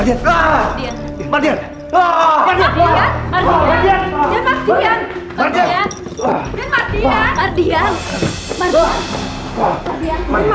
itu kita telah membahas